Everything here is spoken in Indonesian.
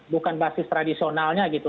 bukan basis tradisionalnya gitu